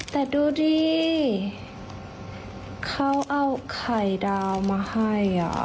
แต่ดูดิเขาเอาไข่ดาวมาให้